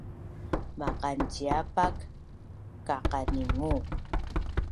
Maqanciapak kaqaningu